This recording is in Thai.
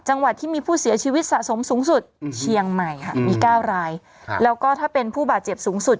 จังหวัดที่มีผู้เสียชีวิตสะสมสูงสุดเชียงใหม่ค่ะมีเก้ารายแล้วก็ถ้าเป็นผู้บาดเจ็บสูงสุด